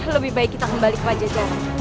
lebih baik kita kembali ke pajajaran